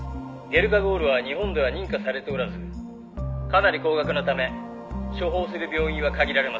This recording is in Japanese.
「ゲルカゴールは日本では認可されておらずかなり高額なため処方する病院は限られます」